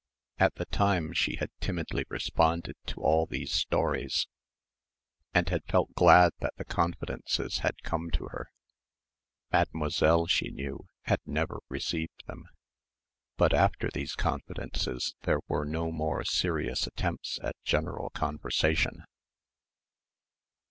At the time she had timidly responded to all these stories and had felt glad that the confidences had come to her. Mademoiselle, she knew, had never received them. But after these confidences there were no more serious attempts at general conversation.